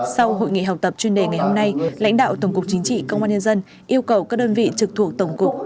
sau hội nghị học tập chuyên đề ngày hôm nay lãnh đạo tổng cục chính trị công an nhân dân yêu cầu các đơn vị trực thuộc tổng cục